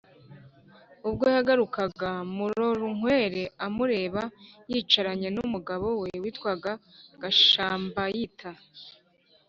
ubwo yagarukaga murorunkwere amureba, yicaranye n'umugabo witwaga gashambayita